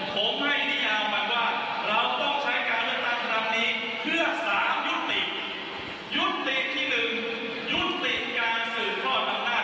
พวกนี้ใหม่ความว่าอะไรต่อให้เราเชิญพวกเองประยุทธกล่อจากบ้านได้